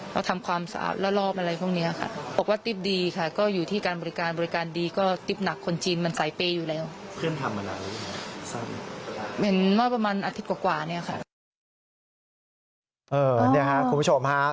นะครับคุณผู้ชมค่ะ